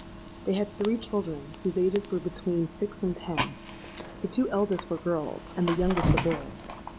They had three children, whose ages were between six and ten: the two eldest were girls, and the youngest a boy.